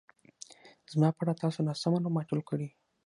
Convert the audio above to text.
زما په اړه تاسو ناسم مالومات ټول کړي